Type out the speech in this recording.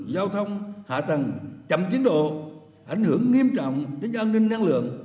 giao thông hạ tầng chậm tiến độ ảnh hưởng nghiêm trọng đến an ninh năng lượng